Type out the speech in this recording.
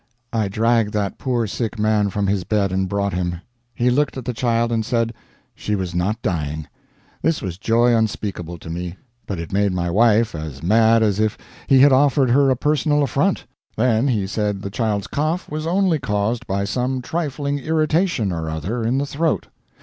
I dragged that poor sick man from his bed and brought him. He looked at the child and said she was not dying. This was joy unspeakable to me, but it made my wife as mad as if he had offered her a personal affront. Then he said the child's cough was only caused by some trifling irritation or other in the throat.